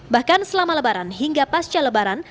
bahkan selama lebaran hingga pasca lebaran